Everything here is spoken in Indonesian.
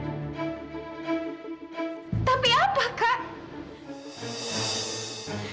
ya allah gimana ini